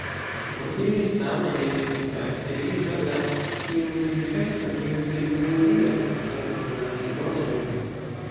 Por ili same estas karakteriza la imundifekto, kiu pliprofundiĝas post aldona aidoso-infekto.